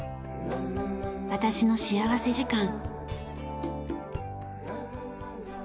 『私の幸福時間』。